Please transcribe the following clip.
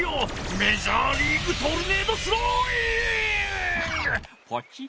メジャーリーグトルネードスローイング！